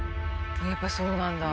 やっぱそうなんだ。